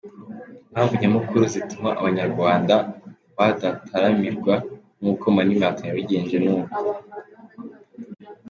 Impamvu nyamukuru zituma abanyarwanda badataramirwa nk’uko Mani Martin yabigenje ni uko:.